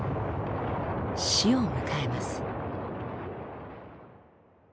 死を迎えます。